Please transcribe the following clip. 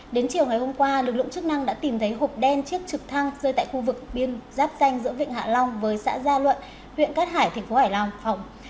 đến chiều ngày hôm qua lực lượng chức năng đã tìm thấy hộp đen chiếc trực thăng rơi tại khu vực biên giáp danh giữa vịnh hạ long với xã gia luận huyện cát hải thành phố hải phòng